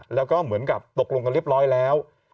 แล้วก็เหมือนกับตกลงกันเรียบร้อยแล้ว